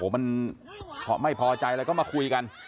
มันไม่พอใจอะไรก็มาคุยกัน